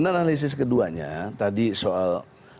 analisis keduanya tadi soal